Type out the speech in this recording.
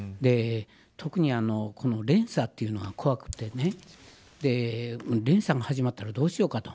特に連鎖というのは怖くて連鎖が始まったらどうしようかと。